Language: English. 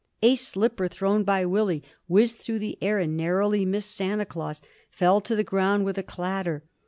A slipper thrown by Willie whizzed through the air, and, narrowly missing Santa Claus, fell to the ground with a clatter.